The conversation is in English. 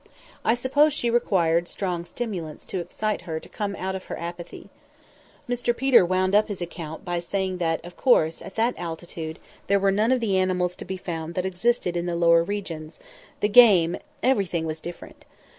I suppose she required strong stimulants to excite her to come out of her apathy. Mr Peter wound up his account by saying that, of course, at that altitude there were none of the animals to be found that existed in the lower regions; the game,—everything was different.